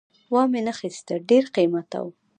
وامې نه خیسته ډېر قیمته وو